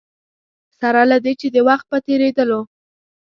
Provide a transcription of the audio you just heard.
سره له دې چې د وخت په تېرېدو.